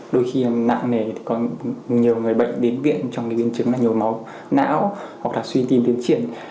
đôi khi nặng nề có nhiều người bệnh đến viện trong biến chứng là nhiều máu não hoặc là suy tìm tiến triển